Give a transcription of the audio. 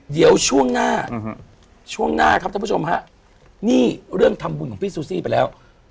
เดี๋ยวช่วงหน้าช่วงหน้าครับท่านผู้ชมฮะนี่เรื่องทำบุญของพี่ซูซี่ไปแล้ว